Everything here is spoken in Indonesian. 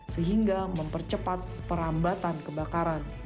sehingga mempercepat perambatan kebakaran